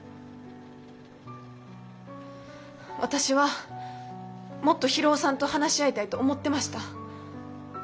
私はもっと博夫さんと話し合いたいと思ってました。